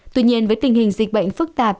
tuy nhiên với tình hình dịch bệnh phức tạp